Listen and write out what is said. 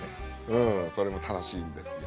うんそれも楽しいんですよ。